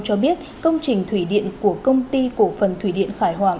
cho biết công trình thủy điện của công ty cổ phần thủy điện khải hoàng